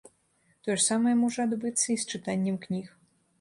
Тое ж самае можа адбыцца і з чытаннем кніг.